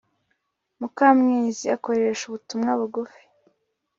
mukamwezi akoresha ubutumwa bugufi